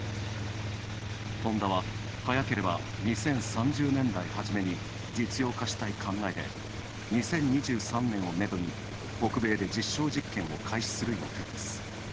ホンダは早ければ２０３０年代初めに実用化したい考えで、２０２３年をめどに北米で実証実験を開始する予定です。